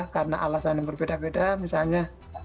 karena alasan berbeda beda misalnya